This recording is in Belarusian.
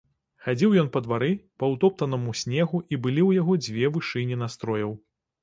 Хадзіў ён па двары, па ўтоптанаму снегу, і былі ў яго дзве вышыні настрояў.